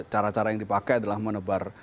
cara cara yang dipakai adalah menebar